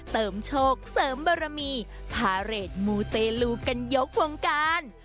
โชคเสริมบารมีพาเรทมูเตลูกันยกวงการ